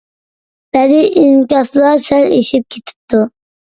بەزى ئىنكاسلار سەل ئېشىپ كېتىپتۇ.